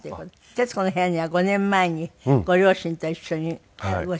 『徹子の部屋』には５年前にご両親と一緒にご出演になりました。